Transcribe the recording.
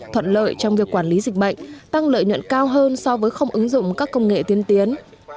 thuận lợi trong việc quản lý dịch bệnh tăng lợi nhuận cao hơn so với không ứng dụng các công nghệ tiên tiến